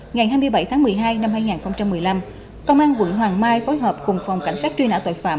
ngày hai mươi bảy tháng một mươi hai năm hai nghìn một mươi năm công an quận hoàng mai phối hợp cùng phòng cảnh sát truy nã tội phạm